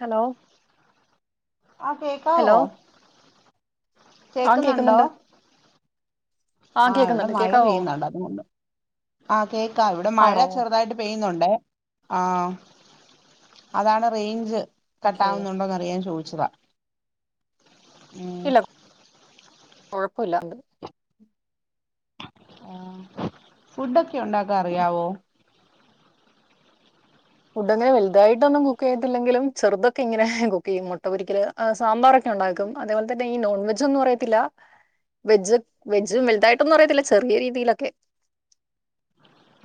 Hello ആ hello കേക്കാവോ? ആ കേക്കുന്നൊണ്ടോ? കേക്കുന്നുണ്ട് ആ ഇവിടെ കേക്കുന്നുണ്ട് മഴ കേക്കാവോ പെയ്യുന്നുണ്ട് അതുകൊണ്ടാ, ആ കേക്കാ ഇവിടെ മഴ ആണോ ചെറുതായിട്ട് പെയ്യ യുന്നുണ്ട് ആ അതാണ് റേഞ്ച് ഓക്കെ കട്ടാവുന്നൊണ്ടോന്നറിയാൻ ചോദിച്ചതാ. ഉം കൊഴപ്പില്ല. ആ ഫുഡക്കെ ഒണ്ടാക്കാറിയാവോ? ഫുഡങ്ങനെ വെലുതായിട്ടൊന്നും കുക്ക് ചെയ്യത്തില്ലെങ്കിലും ചെറുതൊക്കെ ഇങ്ങനെ കുക്ക് ചെയ്യും മൊട്ടപൊരിക്കല് അ സാമ്പാറൊക്കെ ഉണ്ടാക്കും അതേപോലെ തന്നെ ഈ നോൺ വെജൊന്നും അറിയത്തില്ല വെജ് വെജും വെലുതായിട്ടൊന്നും അറിയത്തില്ല ചെറിയ രീതിയിലൊക്കെ.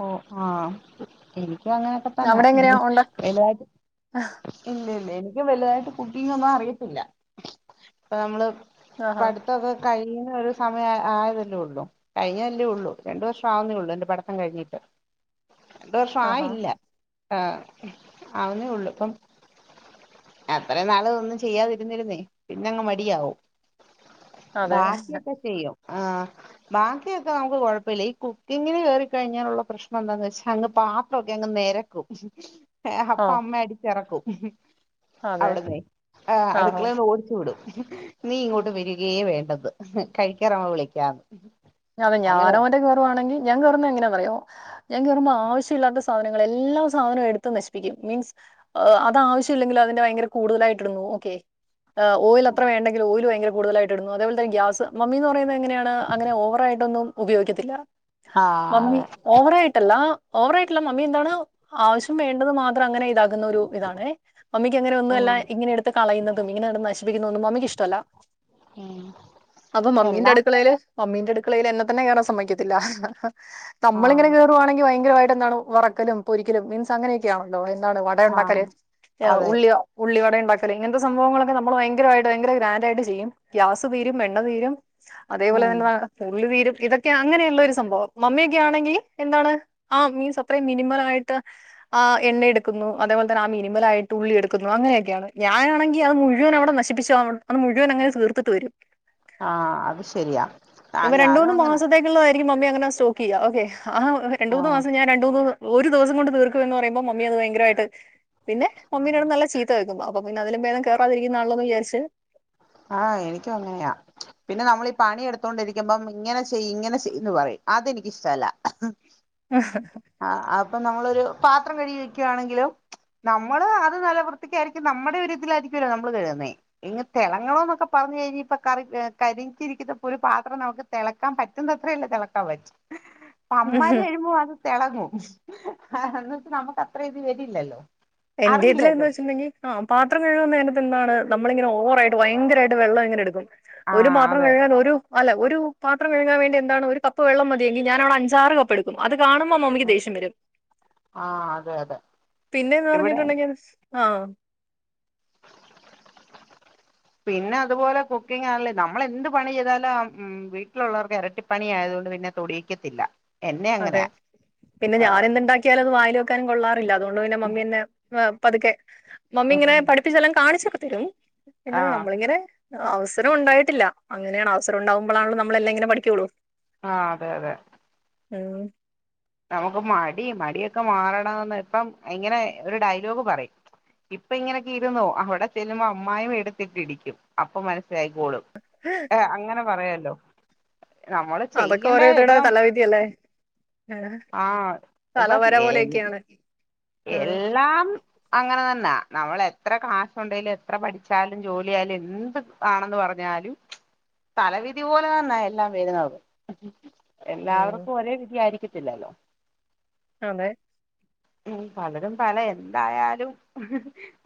ഓ ആ ഉം നിക്കും അങ്ങനൊക്കെ തന്ന അവിടെ എങ്ങനെയാ ഉണ്ടാ വെലുതായിട് ല്ലില്ല. നിക്കും വലുതായിട്ട് കുക്കിങ്ങൊന്നും അറിയത്തില്ല, അപ്പ നമ്മള് ആഹാ പഠിത്തോക്കെ? കഴിയുന്ന ഒരു സമയം ആയതല്ലേ ഒള്ളൂ കഴിഞ്ഞതല്ലേ ഒള്ളൂ, രണ്ടു വർഷം ആവുന്നേ ഉള്ളു എന്റെ പഠിത് ത്തങ്കഴിഞ്ഞിട്ട്. രണ്ട് വർഷം ആഹാ ആയില്ല. ആ ആവുന്നേ ഒള്ളൂ ഇപ്പം അത്രേം നാളും ഒന്നും ചെയ്യാതിരുന്നിരുന്നേ പിന്നങ്ങ് മടിയാവും. അതെ ബാക്കിയൊക്കെ ചെയ്യോ? ആ ബാക്കിയൊക്കെ നമുക്ക് കൊഴപ്പില്ല, ഈ കുക്കിങ്ങിന് കേറി കഴിഞ്ഞാലൊള്ള പ്രശ്നന്താന്ന് വെച്ചാൽ അങ്ങ് പാത്രമൊക്കെ അങ്ങ് നെരക്കും. ഏ ഓ അപ്പ അമ്മ അടിച്ചെറക്കും. അതെ അവിടന്നേ ആ ആഹാ അടുക്കളെന്ന് ഓടിച്ചു വിടും. നീ ഇങ്ങോട്ട് വരികേ വേണ്ടന്ന് നി കഴിക്കാറാകു വിളിക്കാന്ന്. അത് അങ്ങനെ ഞാനോ മറ്റോ കേറുവാണെങ്കി ഞാൻ കേറിന്നാ എങ്ങന്യാന്നറിയാവോ ഞാൻ കേറുമ്പോ ആവശ്യല്ലാത്ത സാധനങ്ങൾ എല്ലാ സാധനവും എടുത്ത് നശിപ്പിക്കും മീൻസ് അത് ആവശ്യമില്ലെങ്കിൽ അതിന്റെ ഭയങ്കര കൂടുതലായിട്ടിടുന്നു ഓക്കെ? ഓയിലത്ര വേണ്ടെങ്കിൽ ഓയില് ഭയങ്കര കൂടുതലായിട് ടും അതേപോലെന്ന ഗ്യാസ്, മമ്മീന്ന് പറയുന്നത് എങ്ങനെയാണ് അങ്ങനെ ഓവർ ന്നും ഉപയോഗിക്കത്തില്ല. ആഹ് മമ്മി അതെ ഓവറായിട്ടല്ലാ ഓവറ ആയിട്ടുള്ളല്ല മമ്മി എന്താണ് ആവശ്യം വേണ്ടത് മാത്രം അങ്ങനെ ഇതാക്കു ന്ന ഒരു ഇതാണ് മമ്മിക്ക് അങ്ങനെ ഒന്നുമല്ല ആഹ് ഇങ്ങനെ എടുത്ത് കളയുന്നതും ഇങ്ങനെ കിടന്ന് നശി ബഗന്ന ഒന്ന് മമ്മിക്ക് ഇ്ടല്ല അപ്പൊ മമ്മീന്റെ എല്ലാം അടുക്കള അയില് അമ്മീന്റെടു അടുക്കളയിൽ എന്നെത്തന്നെ കയറാൻ സമ്മതിക്കില്ല നമ്മളിങ്ങനെ ആഹ് കേറുവാണെങ്കിൽ ഭയ ഭയങ്കരമായിട്ട് എന്നാലു വ റക്കലുംപൊ രിക്കലുംമീൻസ് അങ്ങനെയൊക്കെയണല്ലോ വട ഉണ്ടാക്കൽ ആഹ് അതെ ഉള്ളി ഉള്ളിവട പക്കറി ഇങ്ങനത്തെ സംഭവങ്ങളൊക്കെ നമ്മൾ ഭയങ്കരമായിട്ട് ഭയങ്ക ഗ്രാൻഡ് ആയിട്ട് ചെയ്യും ഗ്യാസ് തീരും എണ്ണ തീരും അതേപോലെ ഉം തന്ന വാ ഉു തീരും ഇതൊക്കെ അങ്ങനെയുള്ള ഒരു സംഭവം മമ്മിയൊക്കെ ആണെങ്കിൽ എന്താണ് ആ മീൻസ് അത്രയും മിനിമല ആയിട്ട് ആ എണ്ണ എടുക്കുന്നു അതേപോലെ തന്നെ ആ മിനിമല ആയിട്ട് ഉള്ളി എടുക്കുന്നു അങ്ങനെയൊക്കെയാണ് ഞാനാണെങ്കിൽ അത് മുഴുവൻ അവിടെ നശിപ്പിച്ചു അത് മുഴുവൻ അങ്ങനെ തീർത്തിട്ട് വരും ആഹ അത് ശരിയാ ആഹ് ഇപ്പോൾ ഞാനും രണ്ടുമൂന്നു അങ്ങനെ മാസത്തേക്കുള്ള എനിക്ക് മമ്മി അങ്ങനെ സ്റ്റോക്ക് ചെയ്യാം ഓക്കെ ആ രണ്ട് മൂന്ന് ആഹ് മാസം ഞാൻ രണ്ട മൂന്ന് ഒരു ദിവസം കൊണ്ട് തീർക്കും എന്ന് പറയുമ്പോൾ മമ്മി അത് ഭയങ്കരമായിട്ട് പിന്നെ മമ്മീനോട് നല്ല ചീത്ത കേൾക്കും അപ്പൊ പിന്നെ അതിലും വേദം കേയറാതിരിക്കുന്നാണോ എ വിചാരിച്ച് ആഹ് എനിക്കും അങ്ങനെയാ പിന്നെ നമ്മളീ പണിയെടുത്തോണ്ടിരിക്കുമ്പം ഇങ്ങനെ ചെയ്യ്, ഇങ്ങനെ ചെയ്ന്ന് പറയും അതെനിക്കിഷ്ടല്ല. ആ അപ്പൊ നമ്മളൊരു, പാത്രം കഴുകി വെക്കാണെങ്കിലും നമ്മള് അത് നല്ല വൃത്തിക്കായിരിക്കും നമ്മടെ ഒരിതിൽ ആയിരിക്കൊല്ലോ നമ്മള് കഴുകുന്നേ [unintelligible] തെളങ്ങണോന്നൊക്കെ പറഞ്ഞു കഴിഞ്ഞ ഇപ്പൊ കറി കരിയിച്ചിരിക്കുന്ന ഒരു പാത്രം നമുക്ക് തെളക്കാൻ പറ്റുന്ന അത്രേയല്ലേ തെളക്കാൻ പറ്റൂ. പ്പ അമ്മാര് [unintelligible] തെളങ്ങും. ആ [unintelligible] നമുക്ക് അത്ര ഇത് വരില്ലല്ലോ. എൻ്റേതിൽ എന്ന് അറിയില്ലല്ലോ വെച്ച്ണ്ടെങ്കി ആ പാത്രം കഴുക്ണ നേരത്ത് എന്താണ് നമ്മളിങ്ങെനെ ഓവറായിട്ട് വയങ്കര രായിട്ട് വെള്ളംങ്ങനെ എടുക്കും. ഒരു ആഹ് പാത്രം അതെ കഴുകാൻ ഒരു അല്ല ഒരു പാത്രം കഴുകാൻ വേണ്ടി എന്താണ് ഒരു കപ്പ് വെള്ളം മതിയെങ്കി ഞാനവടെ അഞ്ചാറ് കപ്പെടുക്കും അത് കാണുമ്പോ മമ്മിക്ക് ദേഷ്യം വരും. ആഹ് അതെ അതെ പിന്നെ ഇവിടെ പറഞ്ഞിട്ടുണ്ടെങ്കി [unintelligible] ആഹ് പിന്നെ അതുപോലെ കുക്കിങ് ആണല്ലേ നമ്മളെന്ത് പണി ചെയ്താലും അ ഉം വീട്ടിലുള്ളവർക്ക് എനരട്ടിപ്പണി ആയതുകൊണ്ട് പിന്നെ തൊടീക്കത്തില്ല. അതെ പിന്നെ ഞാനെന്ത്ണ്ടാക്കിയാലും അത് വായില് വെ ക്കൻ കൊള്ള ഇല്ല അതുകൊണ്ട് പിന്നെ മമ്മിന്നെ ഏഹ് പതുക്കെ മമ്മി ഇങ്ങനെ പഠപ്പിച്ചെല്ലാം കാണിച്ച് തരും പിന്നെ ആഹ് നമ്മളൾ ഇങ്ങനെ അവസരം ഉണ്ടായിട്ടില്ല. അങ്ങനെണ് അവസരം ഉണ്ടാവുമ്പോളാണല്ലോ നമ്മളെല്ലാം ഇങ്ങനെ പഠിക്കുള്ളൂ. ആ അതെ അതെ [unintelligible] നമുക്ക് മടി മടിയൊക്കെ മാറണംന്ന് ഇപ്പം ഇങ്ങനെ ഒരു ഡയലോഗ് പറയും ഇപ്പ ഇങ്ങനെയൊക്കെ ഇരുന്നോ അവിടെ ചെല്ലുമ്പോ അമ്മായമ്മ എടുത്തിട്ട ഇടിക്കും അപ്പൊ മന ലായിക്കോളും ഏ അങ്ങനെ പറയ ലോ അതൊക്കെ ഓരോരുത്തരുടെ തല വിധി അല്ലേ ആ ആഹ് ഇപ്പം തലവര എൻ പോലെയൊക്കെയാണ് ഉം എല്ലാം അങ്ങനെ തന്നാ നമ്മൾ എത്ര കാശുണ്ടെലും എത്ര പഠിച്ചാലും ജോലി ആയാലും എന്ത് ആണെന്ന് പറഞ്ഞാലും തലവിധി പോലെ തന്ന എല്ലാം വരുന്നത്. ഉം എല്ലാവർക്കും ഒരേ വിധിയായിരിക്ക ഇല്ലാലോ അതെ ഉം പലരും പല എന്തായാലും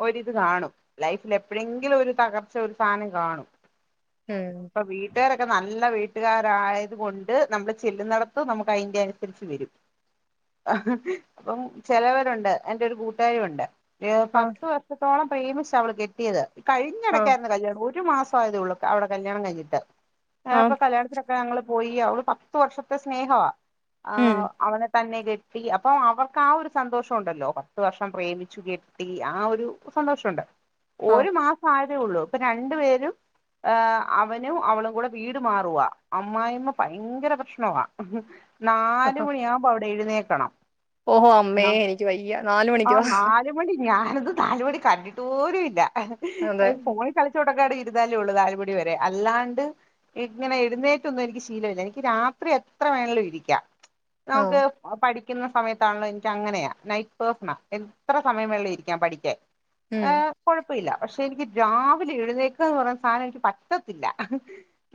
ഒരിത് കാണും ലൈഫിൽ എപ്പെഴെങ്കിലും ഒരു തകർച്ച ഒരു സാനം കാണും ഉം അപ്പോ വിട്ട് കാരെക് ക്കെ നല്ല വീട്ടുകാരായത് കൊണ്ട് നമ്മള് ചെല്ലുന്നടത്ത്നമുക്ക് അയിന്റെ അനുസരിച്ച് വരും അപ്പം ചെലവരുണ്ട് എന്റെ ഒരു കൂട്ടുകാരി ഉണ്ട് ഏഹ്‌ ആ പത്ത് വർഷത്തോളം ഫേയ്മസ അവള് കെട്ടിയത് ആ കഴിഞ്ഞടക്കായിരുന്ന കല്യാണംഒരു മാസ് ഇപ്പയതേ ഒള്ളു അവൾടെ കല്യാണം കഴിഞ്ഞിട്ട് ആ ഞാപ്പൊ കല്യാണത്തിനൊക്കെ ഞങ്ങള് പോയി അവൾ പത്ത്‌വർഷത്തെ സ്നേഹവാ ആ ഉം അവനെ തന്നെ കെട്ടിഅപ്പോം അവർക്ക് ആ ഒരു സന്തോഷോണ്ടല്ലോപത്ത് വർഷം പ്രേമിച്ചു കെട്ടി ആ ഒരു സന്തോഷണ്ട് ആ ഒരു മാസം ആയ- തെ ള്ളൂ ഇപ്പൊ രണ്ടു പേരും ഹ് അവനും അവളും കൂടെ വീട് മാറുവാ അമ്മായിമ്മ ഭയങ്കര പ്രശ്നവാ ഹ. നാല്‌മണിയാവുമ്പോ അവിടെ എഴുന്നേൽ ത്തണം ഓഹോ അം അമ്മേ എനിക്ക് വയ്യ നാല് മണിക്കോ നാല്മണി കണ്ടിട്ട് പോലും ഇല്ല അതെ ഫോണിൽ കളിച്ചോ ണ്ടെക്കെണ്ട് ഇര്ന്നാലേ ഒള്ളൂ നാല് മണി വരെ അല്ലാണ്ട് ഇങ്ങനെ എഴ്ന്നേറ്റൊന്നും എനിക്ക് ശീലമില്ല എനിക്ക് രാത്രി എത്ര വേണേലും ഇരിക്കാ ആ നമുക്ക് പഠി ക്ക്ന്ന സമയത്താണല്ലോ ൻക്കങ്ങനെയാ നൈറ്റ് പേഴ്‌സ്ണാ എത്ര സമയം വേണെങ്കിലും ഇരിക്കാം പഠിക്കാൻ ഉം പ്പില്ല പക്ഷെ എനിക്ക് രാവിലെ എഴുന്നേക്കാന്ന് പർയ്ന്ന സാനം എനിക്ക് പറ്റത്തില്ല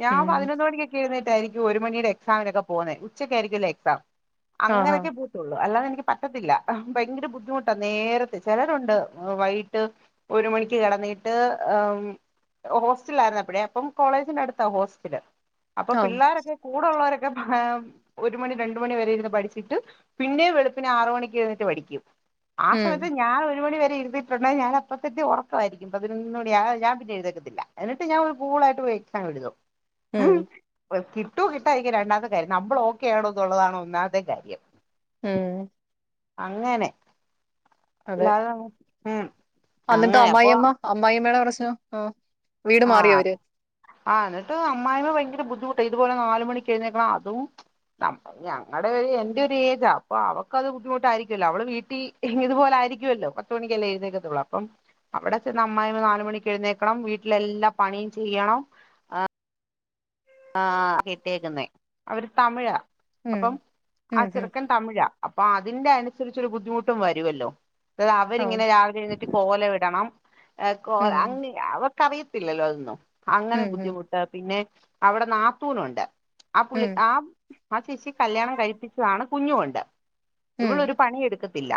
ഞാൻ ഉം പതിനൊന്ന് മണിക്കൊക്കെ എഴ്ന്നേ റ്റായ്രിക്കും ഒര് മണിയ്ടെ എക്സാമിനൊക്കെ പോക്ന്നേ ഉച്ചക്കായ്രിക്കല്ലാേ എക്സാം ആഹാ അങ്ങനെക്കെ പോത്തുള്ളൂ അല്ലാതെനി പറ്റത്തില്ല ഭയങ്കര ബുദ്ധിമുട്ടാ നേരത്തെ ചെലരുണ്ട് വൈകിട്ട് ഒരു മണിക്ക് കെടന്നിട്ട് ഹോസ്റ്റലായ്ര്ന്നപ്പഴെ അപ്പം കോളേജിന്റെ അട്ത്താ ഹോസ്റ്റല് അപ്പൊ ആ പിള്ളോരൊക്കെ കൂടെള്ളോരൊ ഭാ ഒരു മണി രണ്ട് മണി വരെ ഇരുന്ന് പഠിച്ചിട്ട് പിന്നേം വെള് പിന്നെ ആറ് മണിക്ക് എഴുന്നേറ്റ് പഠിക്കും ആ ഉം സമയത്ത് ഞാൻ ഒരു മണി വരെ ഇരുന്നിട്ടുണ്ടെ ഞാൻ അപ്പത്തന്നെ ഒറക്കായിരിക്കും പതിനൊന്ന് മണി ആവാതെ ഞാൻ പിന്നെ എഴുന്നേക്കത്തില്ല എന്നിട്ട് ഞാൻ പിന്നെ ഒരു കൂളായിട്ട് പോയിട്ട് എക്സാം എഴുതും മ്മ് കിട്ടുമോ കിട്ടായിരിക്കുമോ രണ്ടാത്തെ കാര്യം നമ്മൾ ഓക്കെയാണോ എന്നുള്ളതാണ് ഒന്നാമത്തെ കാര്യം മ് അങ്ങനെ അത് നല്ലതാണ് അന്നിട്ടൊ അമ്മായി അമ്മ അമ്മായിയമ്മേടെ പ്രശ് ശ്നം ആഹ് വീട് മാറിയോ ആഹ് അവര് ആഹ് എന്നിട്ട് അമ്മായിയമ്മ ഭയങ്കര ബുദ്ധിമുട്ട് ഇതുപോലെ നാല് മണിക്ക് എഴുന്നേക്കണം അതും ഞങ്ങളടെ എന്റെ ഒരു ഏജാ അപ്പൊ അവക്ക് അത് ബുദ്ധിമുട്ടായിരിക്കുമല്ലോ അവള് വീട്ടിൽ ഇതുപോലെ ആരിക്കുമല്ലോ പത്തുമണിക്കല്ലേ എഴുന്നേക്കത്തുള്ളൂ അപ്പം അവിടെ ചെന്ന് അമ്മായിമ്മ നാല് മണിക്ക് എഴുന്നേക്കണം വീട്ട് വീട്ടിലെല്ലാ പണിയും ചെയ്യണം ആഹ് ആ കെട്ടിയെക്കുന്നേ അവര് തമിഴാ ഉം അപ്പം ആ ഉം ഉം ചെറുക്കൻ തമിഴാ അപ്പൊ അതിന്റെ അനുസരിച്ചൊരു ബുദ്ധിമുട്ടും വരുവല്ലോ അത് ഓ അവരിങ്ങനെ രാവിലെ എഴുന്നേറ്റ് കോലം ഇടണം കോലം ഉം അങ്ങനെ അവ കറിയത്തില്ലല്ലോ ഒന്നും അങ്ങനെ ഉം ഉം ബുദ്ധിമുട്ട് പിന്നെ അവിടെ നാത്തൂനുണ്ട് ആ പുള്ളി ഉം ആ ആ ചേച്ചി കല്യാണം കഴിപ്പിച്ചാണ് കുഞ്ഞുണ്ട് ഇവൾ ഉം ഒരു പണി എടുക്ക ത്തില്ല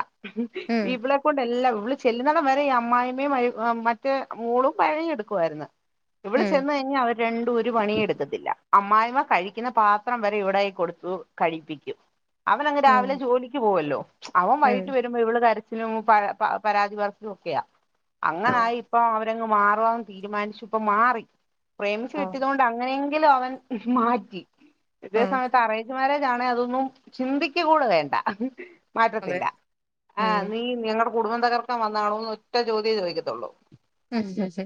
ഉം ഇവളെ കൊണ്ട് എല്ലാം ഇവള് ചെല്ലുന്നടം വരെ ഈ അമ്മായി അമ്മേയും മറ്റേ മോളും പണിയെടുക്കുമായിരുന്നു ഇവിള് ഉം ചെന്ന് കഴിഞ്ഞാൽ അവര് രണ്ടും ഒരു പണിയെടു അമ്മായിമ്മ കഴിക്കുന്ന പാത്രം വരെ ഇവിടെയിൽ കൊടുത്തു കഴിപ്പിക്കും അവൻ അങ്ങ് ഉം രാവിലെ ജോലിക്ക് പോവല്ലോ അവൻ ഉം വൈകിട്ട് വരുമ്പോ ഇവള് കര ച്ചിലും പരാതി പറച്ചിലും ഒക്കെയാ ആ അങ്ങനെ ആയി ഇപ്പ അവരങ്ങ് മാറി പോവാൻ തീരുമാനിച്ചു ഇപ്പ മാറി പ്രേമിച്ച ഓ കെട്ടിയതു കൊണ്ട് അങ്ങനെ എങ്കിലും അവൻ മാറ്റി ഇതേ ഉം സമയത്ത് അറേഞ്ച് അറേഞ്ച്മാരെജ് ആണേ അതൊന്നും ചിന്തിക്ക കൂടെ വേണ്ട അതെ മാറ്റത്തില്ല ആ ഉം നീ നിങ്ങ കുടുംബം തകർക്കൻ വന്നാണോന്ന് ഒറ്റ ചോതിയൊ ചോദിക്കത്തുള്ളൂ മ് ഹ് ഹ്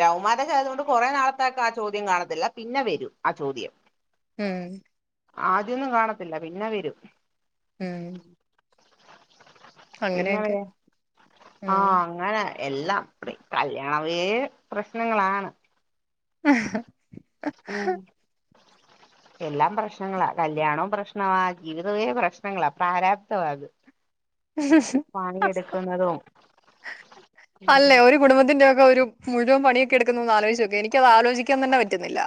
ലൗ മാരേഞ്ച് ആയതുകൊണ്ട് കൊറേ നാളത്തെക്ക് ആ ചോദ്യം കാണത്തില്ല പിന്നെ വരൂ ആ ചോദ്യം ഉം ആദ്യം ഒന്നും കാണത്തില്ല പിന്നെ വരും ഉം അങ്ങനെയൊക്കെ ഉം ആഹ അങ്ങനെ എല്ലാം അതെ കല്യാണവേ പ്രശ്നങ്ങളാണ് മ് ഹ് ഉം എല്ലാം പ്രശ്നങ്ങളാ കല്യാണവും പ്രശ്നമാ ജീവിതമെ പ്രശ്നങ്ങളാ പ്രാരാബ്തമാ അത് മ് ഹ് [inaudible] പണിയെടുക്കുന്നതും അല്ലെ ഉം ഒരു കുടുംബത്തിന്റെ ഒരു മുഴുവൻ പണിയൊക്കെ എടുക്കുന്നന്ന് ആലോചിച്ച് നോക്കെ എനിക്കത് ആലോചിക്കാൻ തന്നെ പറ്റുന്നില്ല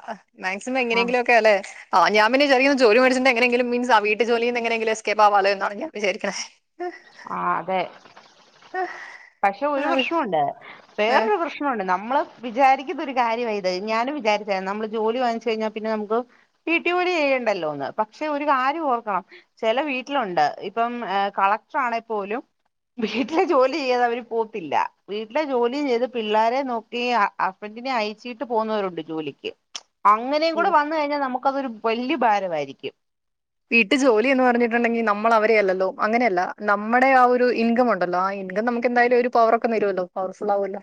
മാക്സിമം ആഹ് എങ്ങനെങ്കിലും ഒക്കെ അല്ലെ ആ ഞാൻ പിന്നെരിക്ക ജോലി മേടിച്ച് എങ്ങെതെങ്കിലുംങ്കും മീൻസ് ആ വീട്ട് ജോലീ എങ്ങനെങ്കില് എസ്കേപ്പ്ആവാമോ എന്നാണ് ഞാൻ വിചാരിക്കുന്നത് ആ അതെ പക്ഷെ ഒരു ആ പ്രശ്നമുണ്ട് വേറൊരു പ്രശ്നമുണ്ട് നമ്മള് വിചാരിക്ക ഒരു കാര്യ ഇത് ഞാനും വിചാരിച്ച നമ്മള് ജോലി വാങ്ങിച്ചു കഴിഞ്ഞാ പിന്നെ നമുക്ക് വീട്ടുജോലി ചെയ്യണ്ടല്ലോന്ന് പക്ഷെ ഒരു കാര്യം ഓർക്കണം ചില വീട്ടിലുണ്ട് ഇപ്പം കളക്ടറാണെ പോലും വീട്ടിലെ ജോലി ചെയ്ത് അവര് പോത്തില്ല വീട്ടിലെ ജോലിയും ചെയ്ത് പിള്ളോരെ നോക്കി ഹസ്ബൻഡിനെ അയച്ചിട്ട് പോകുന്നവരുണ്ട് ജോലിക്ക് അങ്ങനെയ ഏ കൂടെ വന്നു കഴിഞ്ഞാ നമു ക്ക് അതൊരു വല്യ ഭാരമായിരിക്കും വീട്ടു ജോലി എന്ന് പറഞ്ഞിട്ടുണ്ടെങ്കി നമ്മൾ അവരെ അല്ലല്ലോ അങ്ങനെയ അല്ല നമ്മുടെ ആ ഒരു ഇൻകം ഉണ്ടല്ലോ ആ ഇൻകം നമുക്ക് എന്തായാലും ഒരു പവറ ഒക്കെ തരുമല്ലോ പവർഫുൾ ആല്ലോ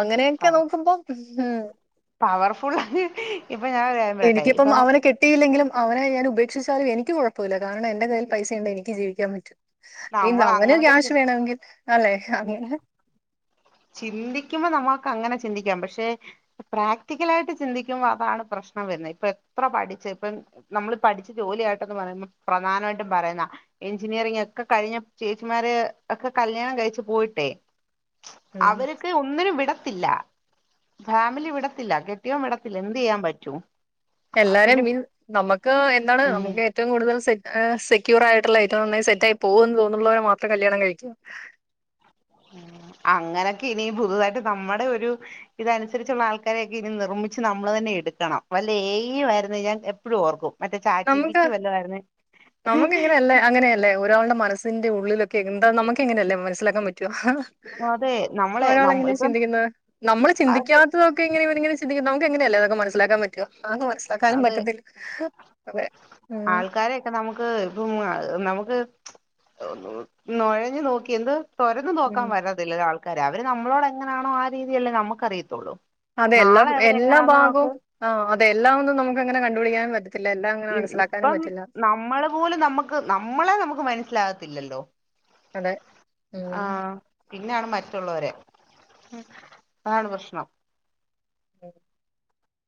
അങ്ങനെയൊക്കെ നോക്കുമ്പോ ആഹ പവർഫുൽ എനിക്കിപ്പം അവനെ കെട്ടിയില്ലെങ്കിലും അവൻ ഞാൻ ഉപേക്ഷിച്ചാലും എനിക്ക് കുഴപ്പമില്ല കാരണം എന്റെ കയ്യിൽ പൈസ ഉണ്ട് എനി ജീവിക്കാൻ പറ്റും നീ നമ്മൾ അവന് അങ്ങനൊക്കെ ക്യാഷ് വേണമെങ്കിൽ അല്ലെ അങ്ങന ചിന്തിക്കുമ്പോ നമ്മുക്ക് അങ്ങനെ ചിന്തിക്കാം പക്ഷെ പ്രാക്ടിക്കലായിട്ട് ചിന്തിക്കുമ്പോ അതാണ് പ്രശ്നം വരുന്നത് ഇപ്പൊ എത്ര പഠിച്ച ഇപ്പം നമ്മള് പഠിച്ചു ജോലിയ ആയിട്ടന്ന് പറയമ്പഠ പ്രധാനമായിട്ടും പറയുന്ന എഞ്ചിനീയറിങ് ഒക്കെ കഴിഞ്ഞ ചേച്ചിമാര് ഒക്കെ കല്യാണം കഴിച്ചു പോയിട്ടേ ഉം അവർക്ക് ഒന്നിനും വിടത്തില്ല ഫാമിലി വിടത്തില്ല കെട്ടിയോൻ വിടത്തില്ല എന്ത് ചെയ്യാൻ പറ്റൂ എല്ലാരെയും മീൻസ് നമുക്ക് എന്താണ് ഉം നമുക്ക് ഏറ്റവും കൂടുതൽെ ഏഹ സെക്യൂർയിട്ടുള്ള ഐറ്റം നന്നായി സെറ്റ്ായിയി പോക എന്ന് തോന്നുന്നുുള്ളവരെ മാത്രം കല്യാണം കഴിക്കുക അങ്ങനൊക്കെ ഇനി പുതുതായിട്ട് നമ്മുടെ ഒരു ഇതനുസരിച്ചുള്ള ആൾക്കാരെയൊക്കെ ഇനി നിർമ്മിച്ച് നമ്മള് തന്നെ എടുക്കണം വല്ല ഏ വരരുന്നു ഞാൻ എപ്പോഴും ഓർക്കും മറ്റേ ചാറ്റ് ജി പി നമുക്ക് റ്റി വല്ലതും ആയിരുന്നേ നമുക്ക് ഇങ്ങനെയല്ലേ അങ്ങനെയല്ലേ ഒരാളുടെ മനസ്സിന്റെ ഉള്ളിലൊക്കെ എന്താ നമുക്ക് എങ്ങനെയല്ലേ മനസ്സിലാക്കാൻ പറ്റുവ അതെ നമ്മളെ ഒരാള നം എങ്ങനെയാ ഇപ്പം ചിന്തിക്കുന്നത് നമ്മള് അതെ ചിന്തിക്കാത്തതൊക്കെ ഇങ്ങനെങ്ങന ചിന്തിക്ക എങ്ങനെയല്ല നമുക്ക് മനസ്സാക്കാൻ പറ്റോ ആ മനസ്സാക്കാനും പറ്റത്തില്ല അതെ ഉം ആൾക്കാരൊക്കെ നമുക്ക് ഇപ്പം നമുക്ക് നുഴഞ്ഞു നോക്കി എന്ത് തോരന്ന് ഉം നോക്കാൻ പറ്റത്തില്ല അവര് നമ്മളോട് എങ്ങനെയാണോ ആ രീതിയല്ലേ നമുക്ക് അറിയത്തുള്ളൂ അതെ എല്ലാ നാളെ എല്ലാ അവരെങ്ങനാന്ന് ഭാഗവും ആ അതെ എല്ലാം നമുക്ക് അങ്ങന കണ്ടപിക്കാനൻ ഇപ്പം നമ്മള് പോലും നമുക്ക് നമ്മളെ നമുക്ക് മനസ്സിലാകത്ത ഇല്ലല്ലോ അതെ ഉം പിന്നെയാണ് മറ്റുള്ളവരെ ഉം അതാണ് പ്രശ്നം ഉം [unintelligible]